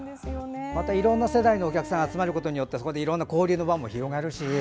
またいろんな世代のお客さんが集まることでそこでいろんな交流の輪も広がるし。